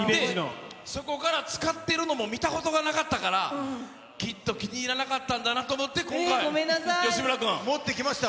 そこから使ってるのも見たことがなかったから、きっと気に入らなかったんだなと思って、今回、吉村君。持ってきました。